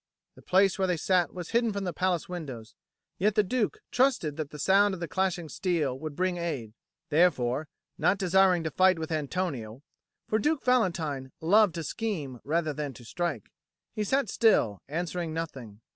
The place where they sat was hidden from the palace windows, yet the Duke trusted that the sound of the clashing steel would bring aid; therefore, not desiring to fight with Antonio (for Duke Valentine loved to scheme rather than to strike), he sat still, answering nothing.